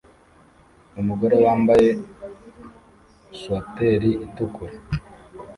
Umugore wambaye swateri itukura